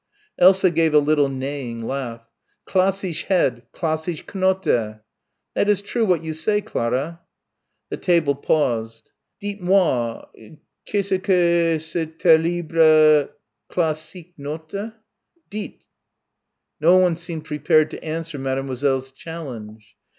Elsa gave a little neighing laugh. "Classisch head, classisch Knote." "That is true what you say, Clarah." The table paused. "Dîtes moi qu'est ce que ce terrible classique notte? Dîtes!" No one seemed prepared to answer Mademoiselle's challenge.